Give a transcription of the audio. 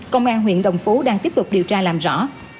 công an huyện đồng phú đang tiếp tục điều tra làm rõ